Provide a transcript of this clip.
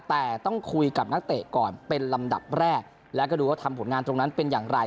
แต่ต้องคุยกับนักเตะก่อนเป็นลำดับแรกแล้วก็ดูว่าทำผลงานตรงนั้นเป็นอย่างไร